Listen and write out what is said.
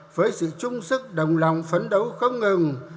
với sự trung sức đồng lòng phấn đấu không ngừng